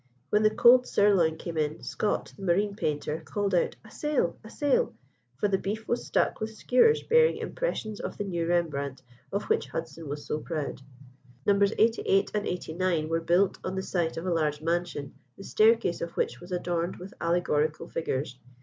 When the cold sirloin came in, Scott, the marine painter, called out, "A sail, a sail!" for the beef was stuck with skewers bearing impressions of the new Rembrandt, of which Hudson was so proud. Nos. 88 and 89 were built on the site of a large mansion, the staircase of which was adorned with allegorical figures.